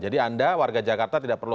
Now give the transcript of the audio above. jadi anda warga jakarta tidak perlu